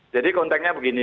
jadi konteksnya begini